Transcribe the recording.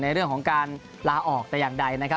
ในเรื่องของการลาออกแต่อย่างใด